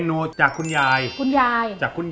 อันนี้คืออันนี้คือ